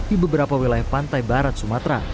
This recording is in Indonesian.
di beberapa wilayah pantai barat sumatera